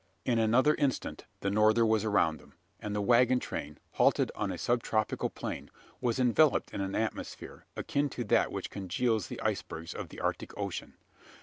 In another instant the norther was around them; and the waggon train, halted on a subtropical plain, was enveloped in an atmosphere, akin to that which congeals the icebergs of the Arctic Ocean!